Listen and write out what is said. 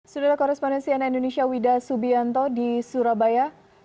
sudara korespondensi ana indonesia wida subianto di surabaya